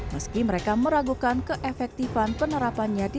meski mereka meragukan keefektifan penerapannya ke atas